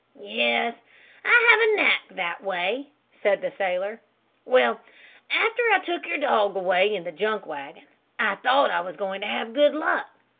"Yes, I have a knack that way," said the sailor. "Well, after I took your dog away in the junk wagon I thought I was going to have good luck.